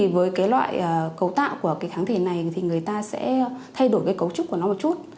với loại cấu tạo của kháng thể này thì người ta sẽ thay đổi cấu trúc của nó một chút